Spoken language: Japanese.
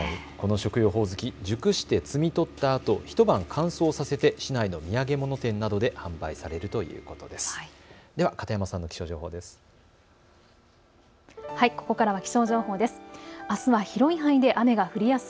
食用ほおずき、熟して摘み取ったあと一晩乾燥させて市内の土産物店などで販売されるということです。